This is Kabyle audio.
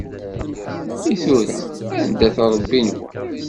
I tura anda-t Ṛebbi-nwen?